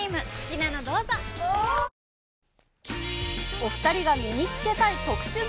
お２人が身につけたい特殊能